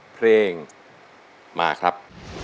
เพลงมาครับ